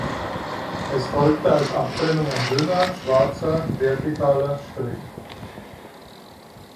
Es folgte als Abtrennung ein dünner, schwarzer, vertikaler Strich.